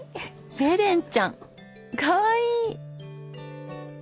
ベレンちゃんかわいい！